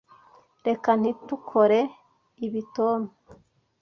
Reka ntitukore ibi, Tom.